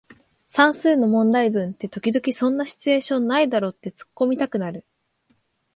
算数の問題文って時々そんなシチュエーションないだろってツッコミたくなる